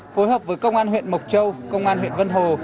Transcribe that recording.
phối hợp với công an huyện mộc châu công an huyện vân hồ